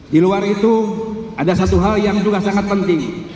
di luar itu ada satu hal yang juga sangat penting